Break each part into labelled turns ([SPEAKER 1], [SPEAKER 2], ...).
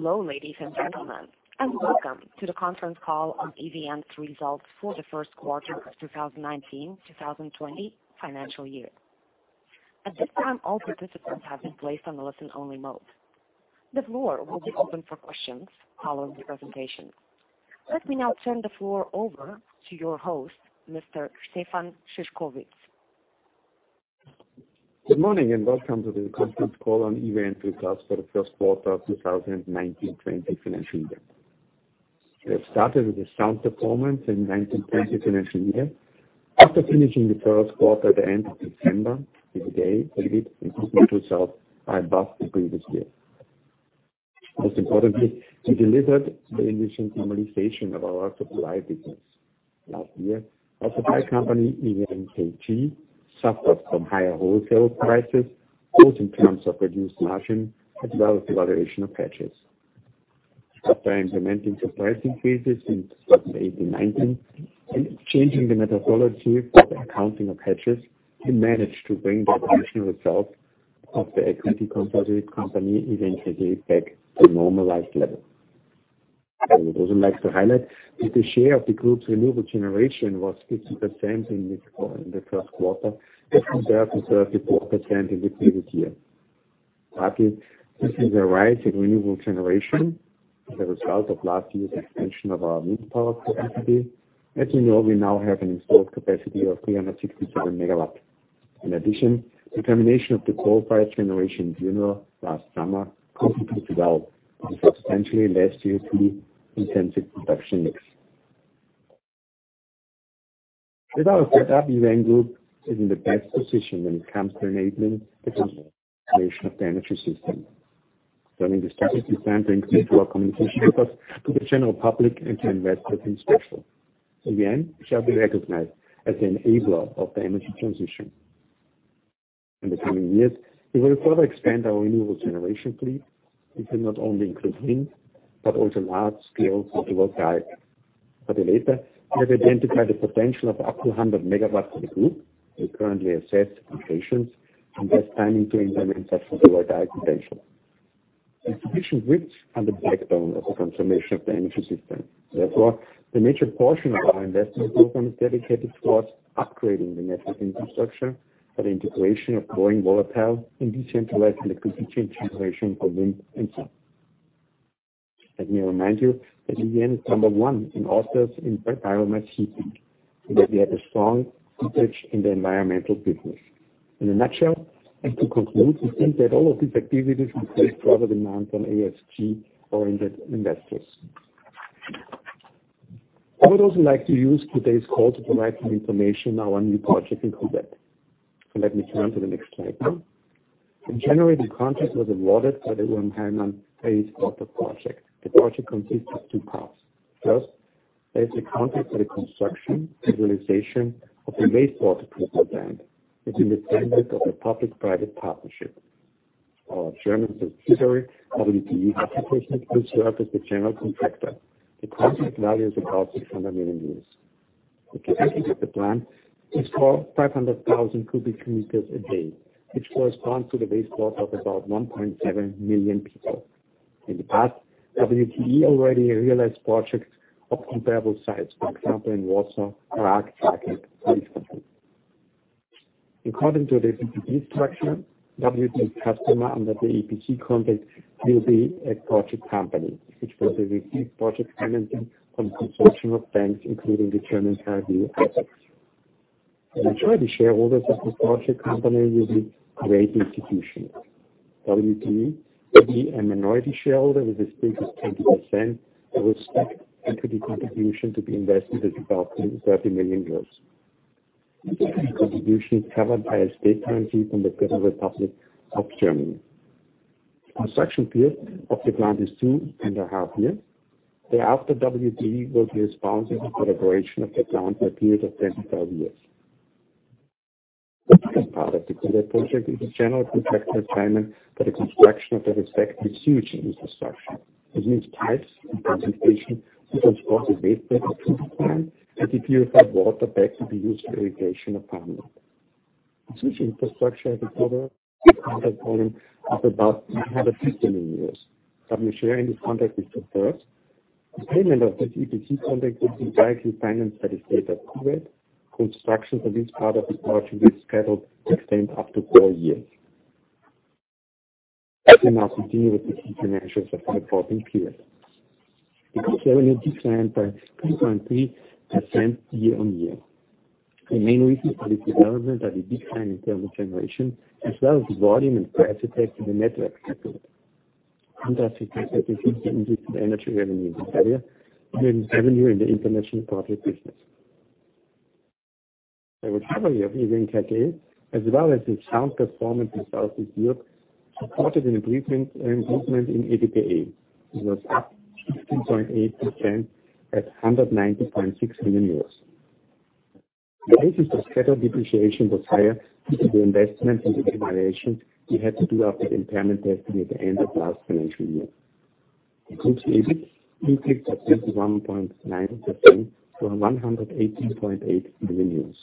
[SPEAKER 1] Hello, ladies and gentlemen, and welcome to the conference call on EVN's results for the first quarter of 2019-2020 financial year. At this time, all participants have been placed on the listen-only mode. The floor will be open for questions following the presentation. Let me now turn the floor over to your host, Mr. Stefan Szyszkowitz.
[SPEAKER 2] Good morning and welcome to the conference call on EVN results for the first quarter of 2019-2020 financial year. We have started with a sound performance in 2019-2020 financial year, after finishing the first quarter at the end of December with an EBITDA result above the previous year. Most importantly, we delivered the initial normalization of our supply business. Last year, our supply company, EVN KG, suffered from higher wholesale prices, both in terms of reduced margin as well as the valuation of hedges. After implementing price increases in 2018-2019 and changing the methodology for the accounting of hedges, we managed to bring the operational results of the equity consolidated company eventually back to normalized level. What I would also like to highlight is the share of the Group's renewable generation was 50% in the first quarter, compared to 34% in the previous year. Partly, this is a rise in renewable generation as a result of last year's expansion of our wind power capacity. As you know, we now have an installed capacity of 367 MW. In addition, the termination of the coal-fired generation in June of last summer contributed well to the substantially less CO2-intensive production mix. With our setup, EVN Group is in the best position when it comes to enabling the transformation of the energy system. During the strategic event, we increased our communication efforts to the general public and to investors in special. EVN shall be recognized as an enabler of the energy transition. In the coming years, we will further expand our renewable generation fleet, which will not only include wind, but also large-scale photovoltaic. For the latter, we have identified the potential of up to 100 MW for the Group. We currently assess locations and best timing to implement such photovoltaic potential. The transmission grids are the backbone of the transformation of the energy system. Therefore, the major portion of our investment program is dedicated towards upgrading the network infrastructure for the integration of growing volatile and decentralized electricity generation from wind and sun. Let me remind you that EVN is number one in Austria in biomass heating, and that we have a strong foothold in the environmental business. In a nutshell and to conclude, we think that all of these activities will place further demands on ESG-oriented investors. I would also like to use today's call to provide some information on our new project in Kuwait. Let me turn to the next slide now. In January, the contract was awarded for the Umm Al-Hayman wastewater project. The project consists of two parts. First, there's a contract for the construction and realization of a wastewater treatment plant within the standards of a public-private partnership. Our German subsidiary, WTE Wassertechnik, will serve as the general contractor. The contract value is about 600 million. The capacity of the plant is for 500,000 cu m a day, which corresponds to the wastewater of about 1.7 million people. In the past, WTE already realized projects of comparable size, for example, in Warsaw, Iraq, Turkey, and Istanbul. According to the PPP structure, WTE customer under the EPC contract will be a project company, which will receive project financing from a consortium of banks, including the German KfW [IPEX]. In majority, shareholders of this project company will be Kuwaiti institutions. WTE will be a minority shareholder with as big as 20%, with stock equity contribution to be invested at about 30 million euros. This equity contribution is covered by a state guarantee from the Federal Republic of Germany. Construction period of the plant is 2.5 years. Thereafter, WTE will be responsible for the operation of the plant for a period of 25 years. The second part of the Kuwait project is a general contractual assignment for the construction of the respective sewage infrastructure. This means pipes and pumping station, which will transport the wastewater to the plant and the purified water back to be used for irrigation requirement. The sewage infrastructure as a whole [has a contract volume of about 350 million]. WTE's share in this contract is 2/3. The payment of this EPC contract will be directly financed by the state of Kuwait. Construction for this part of the project will be scheduled to extend up to four years. Let me now continue with the key financials of the reporting period. The Group revenue declined by 3.3% year-over-year. The main reasons for this development are the decline in thermal generation, as well as volume and price effects in the network sector. Contradictory effects are increased energy revenue in Bulgaria and earned revenue in the international project business. The recovery of EVN KG, as well as the sound performance in Southeast Europe, supported an improvement in EBITDA. It was up 15.8% at 190.6 million euros. The basis for scheduled depreciation was higher due to the investments and the devaluations we had to do after the impairment testing at the end of last financial year. The Group's EBIT increased by 21.9% to 118.8 million.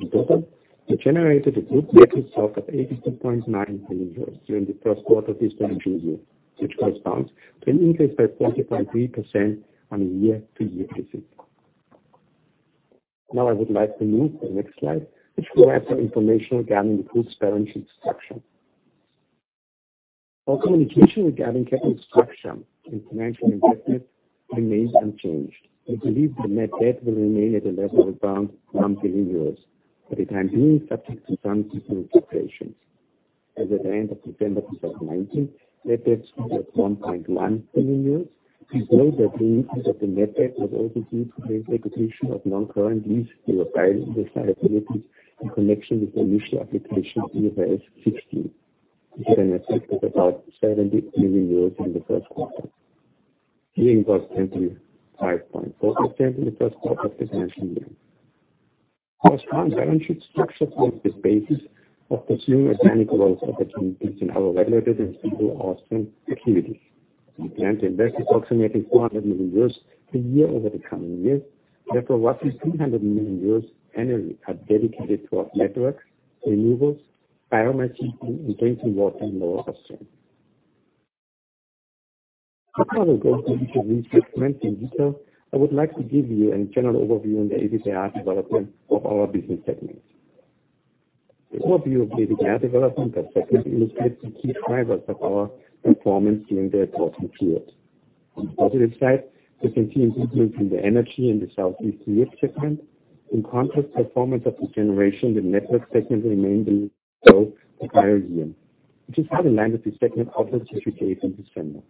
[SPEAKER 2] In total, we generated a good net result of 82.9 million euros during the first quarter of this financial year, which corresponds to an increase by 40.3% on a year-to-year basis. I would like to move to the next slide, which will have some information regarding the Group's balance sheet structure. Our communication regarding capital structure and financial investment remains unchanged. We believe the net debt will remain at a level around 1 billion euros, but it can be subject to some seasonal fluctuations. As at the end of September 2019, net debt stood at EUR 1.1 billion. Please note that increases of the net debt was also due to the recognition of non-current lease to acquire the liabilities in connection with the lease application of IFRS 16, which had an effect of about EUR 70 million in the first quarter. Gearing was at 25.4% in the first quarter of this financial year. Our strong balance sheet structure forms the basis of pursuing organic growth opportunities in our regulated and [stable] Austrian activities. We plan to invest approximately 400 million euros a year over the coming years. Therefore, roughly 300 million euros annually are dedicated to our networks, renewables, biomass heating, and drinking water in Lower Austria. Before I go through each of these segments in detail, I would like to give you a general overview on the EBITDA development of our business segments. The overview of EBITDA development by segment illustrates the key drivers of our performance during the reporting period. On the positive side, you can see an improvement in the Energy and the Southeast Europe segment. In contrast, performance of the Generation and the Network segment remained below the prior year, which is well in line with the segment outlooks which we gave in December.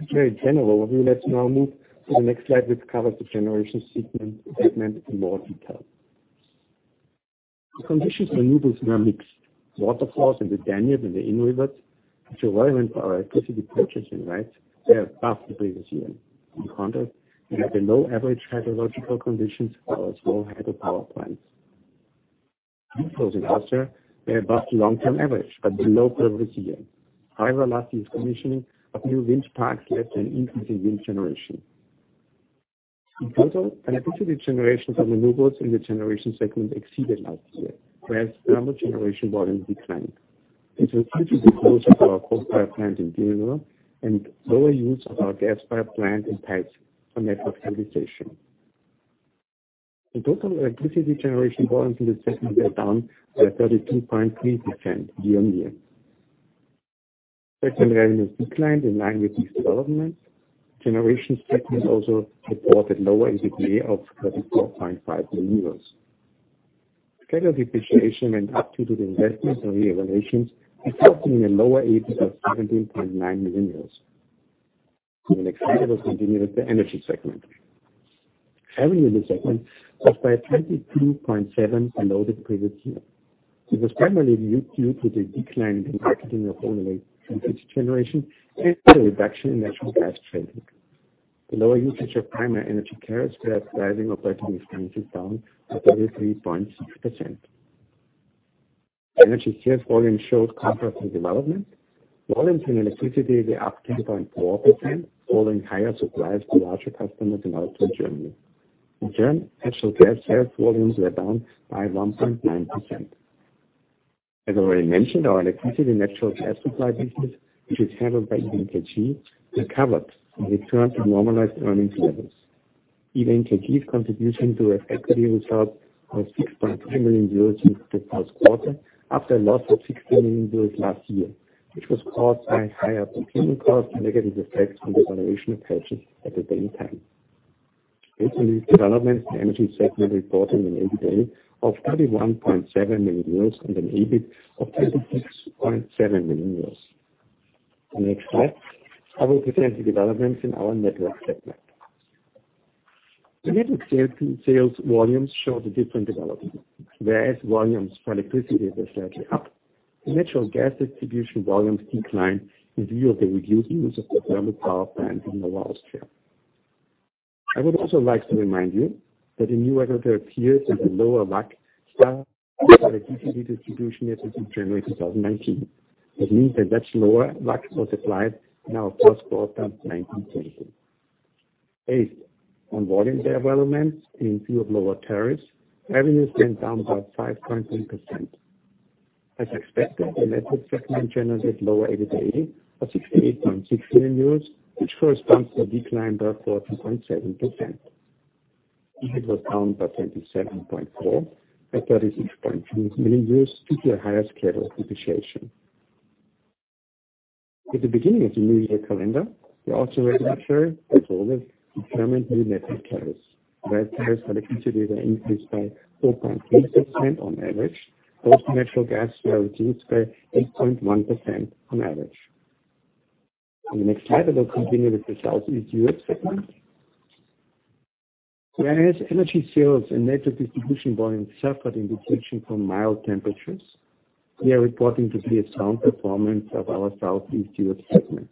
[SPEAKER 2] With this very general overview, let's now move to the next slide, which covers the Generation segment in more detail. The conditions for renewables were mixed, water flows in the Danube and the Inn River, which are relevant to our electricity purchasing rights, were above the previous year. In contrast, we had the low average hydrological conditions for our small hydropower plants. Wind flows in Austria were above the long-term average, but below the previous year. However, last year's commissioning of new wind parks led to an increase in wind generation. In total, electricity generation from renewables in the Generation segment exceeded last year, whereas thermal generation volume declined. This was due to the closure of our coal-fired plant in Dürnrohr and lower use of our gas-fired plant in Theiss for network stabilization. In total electricity generation volumes in this segment were down by 32.3% year-on-year. Segment revenues declined in line with these developments. Generation segment also reported lower EBITDA of 34.5 million. Scheduled depreciation went up due to the investments and revaluations, resulting in a lower EBIT of 17.9 million. In the next slide, we'll continue with the Energy segment. Revenue in this segment was by 22.7% below the previous year. It was primarily due to the decline in the marketing of own electricity generation and the reduction in natural gas trading. The lower usage of primary energy carriers were driving operating expenses down to 33.6%. Energy sales volume showed contrasting development. Volumes in electricity were up 10.4%, following higher supplies to larger customers in Austria and Germany. In turn, actual gas sales volumes were down by 1.9%. As already mentioned, our electricity and natural gas supply business, which is handled by EVN KG, recovered and returned to normalized earnings levels. EVN KG's contribution to our equity result was 6.3 million euros during the first quarter after a loss of 16 million euros last year, which was caused by higher procurement costs and negative effects from the valuation of hedges at the same time. Based on these developments, the Energy segment reported an EBITDA of 31.7 million euros and an EBIT of 26.7 million euros. On the next slide, I will present the developments in our Network segment. The Network sales volumes showed a different development, whereas volumes for electricity were slightly up. The natural gas distribution volumes declined in view of the reduced use of the thermal power plant in Lower Austria. I would also like to remind you that a new regulatory period with a lower WACC resulted for our electricity distribution as of January 2019. This means a much lower WACC was applied in our first quarter of 2019-2020. Based on volume developments in view of lower tariffs, revenues went down about 5.3%. As expected, the Network segment generated lower EBITDA of 68.6 million euros, which corresponds to a decline by 14.7%. EBIT was down by 27.4% at 36.2 million due to a higher scheduled depreciation. At the beginning of the new year calendar, the Austrian regulator as always, determined new network tariffs, where tariffs for electricity were increased by 0.3% on average, whilst natural gas were reduced by 8.1% on average. On the next slide, we will continue with the Southeast Europe segment. Whereas energy sales and network distribution volumes suffered in the region from mild temperatures, we are reporting today a sound performance of our Southeast Europe segment,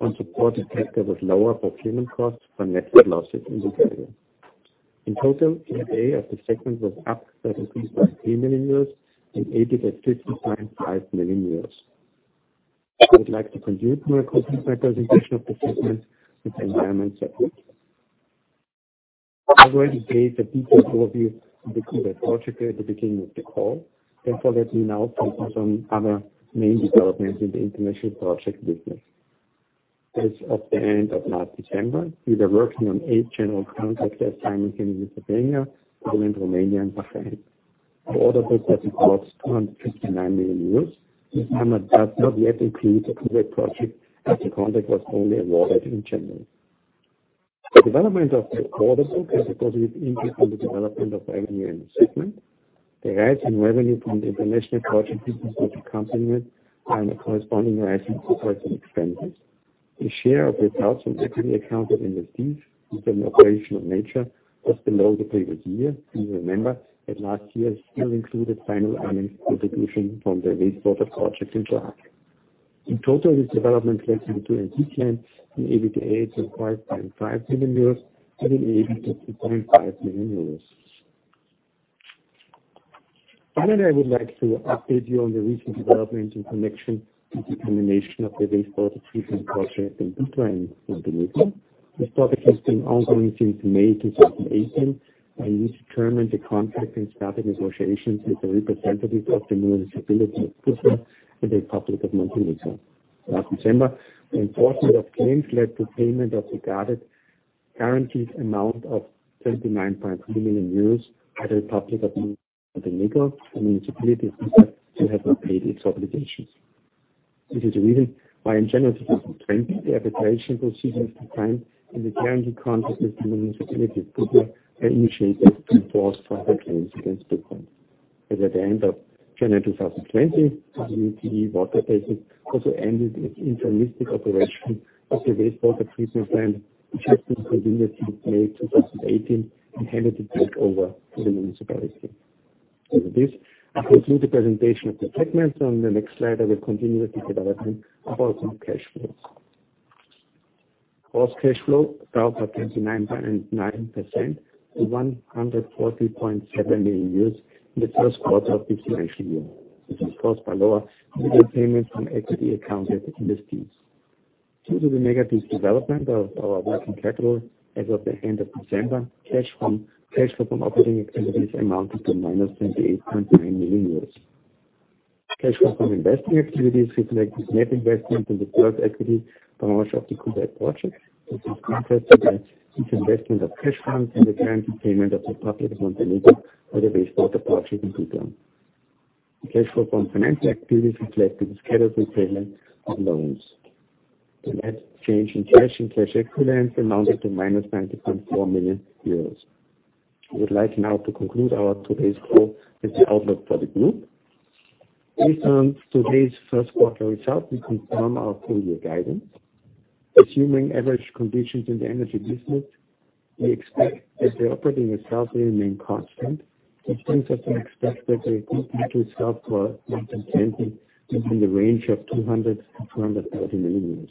[SPEAKER 2] and supported further with lower procurement costs for network losses in Bulgaria. In total, EBITDA of the segment was up 33.3 million and EBIT at 15.5 million. I would like to continue my presentation of the segment with the Environment segment. I already gave a detailed overview of the Kuwait project at the beginning of the call. Let me now focus on other main developments in the international project business. As of the end of last December, we were working on eight general contracts simultaneously in Lithuania, Poland, Romania, and Bahrain. The order book volume is 259 million, this number does not yet include the Kuwait project, as the contract was only awarded in January. The development of the order book has a positive impact on the development of revenue in the segment. The rise in revenue from the international project business will be accompanied by a corresponding rise in operating expenses. The share of results from equity accounted investees with an operational nature, just below the previous year. Please remember that last year still included final earnings contribution from the wastewater project in Prague. In total, this development led to an increase in EBITDA of EUR 5.5 million and an EBIT of EUR 2.5 million. Finally, I would like to update you on the recent development in connection with the termination of the wastewater treatment project in Budva in Montenegro. This project has been ongoing since May 2018, we terminated the contract and started negotiations with the representatives of the municipality of Budva and the Republic of Montenegro. Last December, the enforcement of claims led to payment of the guaranteed amount of 29.3 million euros by the Republic of Montenegro. The municipality of Budva still has not paid its obligations. This is the reason why in January 2020, the arbitration proceedings defined in the guarantee contract with the Municipality of Budva were initiated to enforce contract claims against Budva. As at the end of January 2020, WTE Wassertechnik also ended its interimistic operation of the wastewater treatment plant, which had been continued since May 2018 and handed it back over to the municipality. With this, I conclude the presentation of the segment. On the next slide, I will continue with the development of our Group cash flows. Gross cash flow fell by 29.9% to 140.7 million in the first quarter of the financial year. This is caused by lower dividend payments from equity accounted investees. Due to the negative development of our working capital as of the end of December, cash flow from operating activities amounted to -28.9 million euros. Cash flow from investing activities reflected net investment in the first equity tranche of the Kuwait project. This is contrasted by the investment of cash funds and the guarantee payment of the Republic of Montenegro for the wastewater project in Budva. The cash flow from financing activities reflected the scheduled repayment of loans. The net change in cash and cash equivalents amounted to -90.4 million euros. I would like now to conclude our today's call with the outlook for the Group. Based on today's first quarter results, we confirm our full-year guidance. Assuming average conditions in the energy business, we expect that the operating result will remain constant, which means that we expect that the Group net result for 2020 is in the range of 200 million-230 million.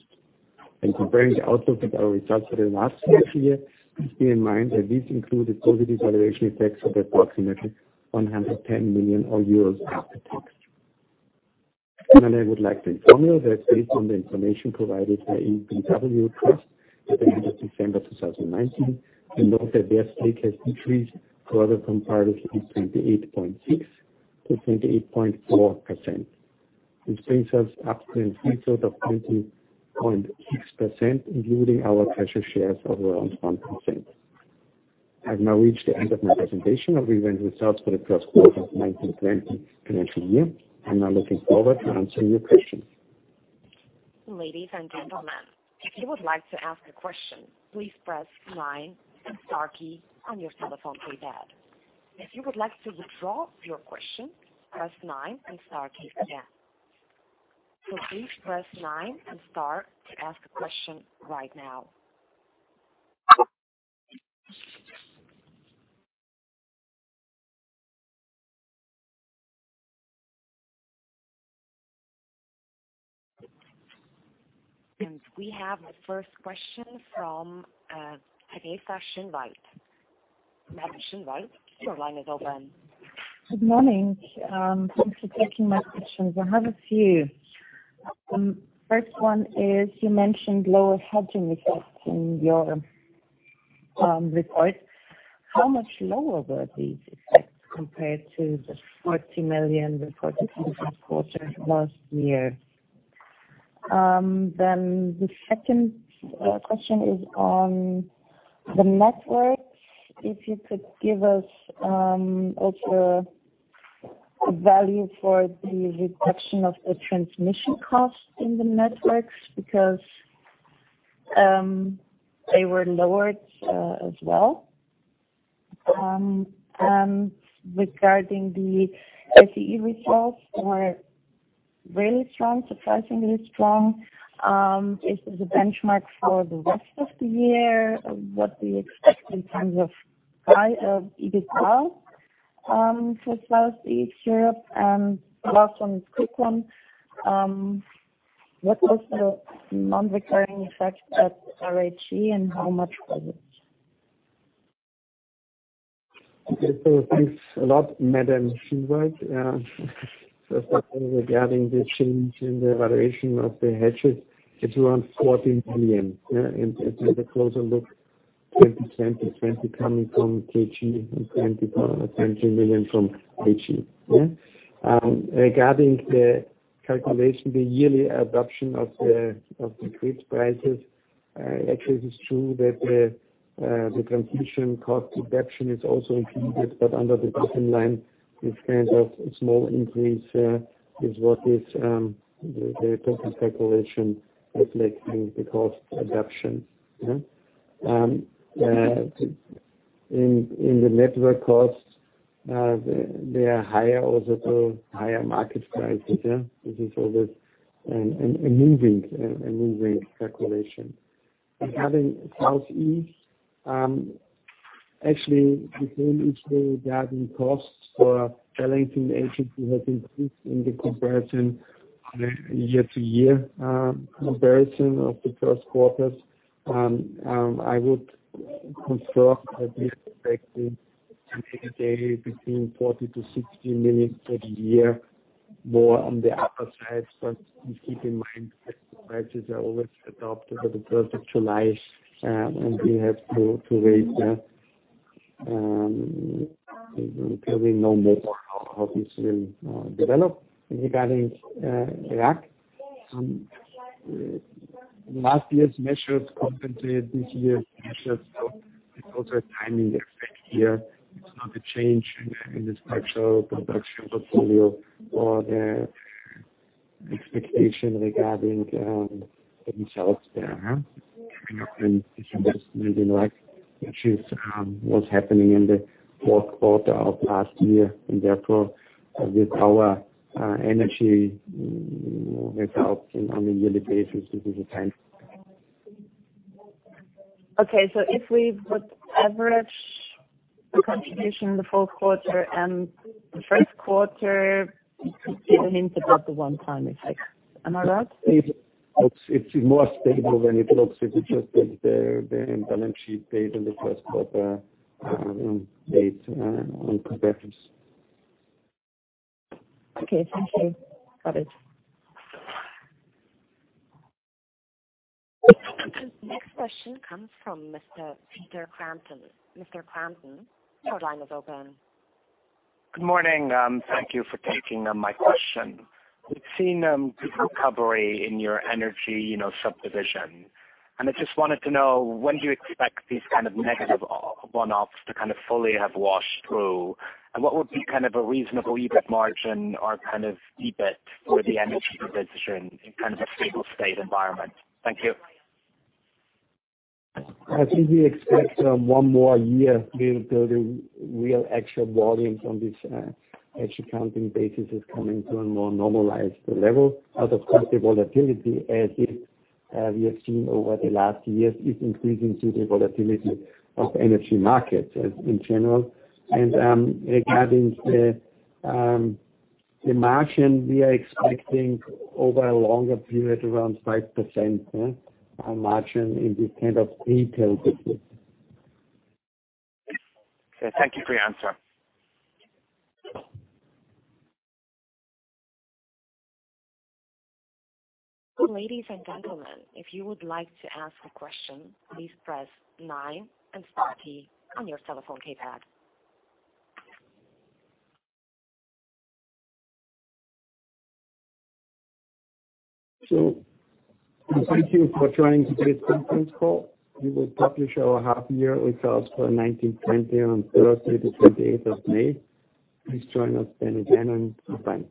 [SPEAKER 2] In comparing the outlook with our results for the last financial year, please bear in mind that this included positive valuation effects of approximately 110 million euros after tax. Finally, I would like to inform you that based on the information provided by EnBW Trust at the end of December 2019, we note that their stake has decreased further from previously 28.6% to 28.4%. This brings us up to a free float of 20.6%, including our treasury shares of around 1%. I have now reached the end of my presentation of EVN results for the first quarter of the 2020 financial year. I'm now looking forward to answering your questions.
[SPEAKER 1] Ladies and gentlemen, if you would like to ask a question, please press nine and star key on your telephone keypad. If you would like to withdraw your question, press nine and star key again. Please press nine and star to ask a question right now. We have the first question from Teresa Schinwald. Madam Schinwald, your line is open.
[SPEAKER 3] Good morning. Thanks for taking my questions. I have a few. First one is, you mentioned lower hedging effects in your report. How much lower were these effects compared to the 40 million reported in the quarter last year? The second question is on the networks. If you could give us also a value for the reduction of the transmission cost in the networks, because they were lowered as well. Regarding the SEE results were really strong, surprisingly strong. Is it a benchmark for the rest of the year? What do you expect in terms of EBITDA for Southeast Europe? Last one is a quick one. What was the non-recurring effect at RAG, and how much was it?
[SPEAKER 2] Thanks a lot, Madam Schinwald. Yeah. Starting regarding the change in the valuation of the hedges, it's around 40 million. Yeah. If you have a closer look, 20 million coming from KG and 20 million from AG. Yeah. Regarding the calculation, the yearly adoption of the grid prices, actually, it is true that the transition cost adoption is also included, but under the bottom line, this kind of small increase is what is the total calculation reflecting the cost adoption. Yeah. In the Network costs, they are higher also, higher market prices. Yeah. This is always a moving calculation. Regarding South East, actually, the same is the driving costs for balancing energy has increased in the comparison, year-over-year comparison of the first quarters. I would confirm that we expecting to make a gain between 40 million-60 million for the year, more on the upper side. Keep in mind that the prices are always adopted at the 1st of July, and we have to wait there until we know more how this will develop. Regarding RAG, last year's measures compensated this year's measures. It's also a timing effect here. It's not a change in the structural production portfolio or the expectation regarding the results there, huh. Coming up in investment in RAG, which is what's happening in the fourth quarter of last year. Therefore with our energy results on a yearly basis, this is the time.
[SPEAKER 3] Okay. If we would average the contribution in the fourth quarter and the first quarter, it hints about the one-time effect. Am I right?
[SPEAKER 2] It's more stable than it looks if you just take the balance sheet date and the first quarter year-on-year comparisons.
[SPEAKER 3] Okay, thank you. Got it.
[SPEAKER 1] Next question comes from Mr. Peter Crampton. Mr. Crampton, your line is open.
[SPEAKER 4] Good morning. Thank you for taking my question. We've seen good recovery in your energy subdivision, and I just wanted to know, when do you expect these kind of negative one-offs to fully have washed through? What would be a reasonable EBIT margin or EBIT for the energy division in a stable state environment? Thank you.
[SPEAKER 2] I think we expect one more year until the real actual volumes on this actual accounting basis is coming to a more normalized level. And of course, the volatility as we have seen over the last years, is increasing due to volatility of energy markets in general. Regarding the margin, we are expecting over a longer period, around 5% margin in this kind of retail business.
[SPEAKER 4] Okay, thank you for your answer.
[SPEAKER 1] Ladies and gentlemen, if you would like to ask a question, please press nine and star key on your telephone keypad.
[SPEAKER 2] Thank you for joining today's conference call. We will publish our half year results for 2019-2020 on Thursday the 28th of May. Please join us then again, and bye-bye.